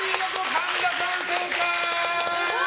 神田さん正解！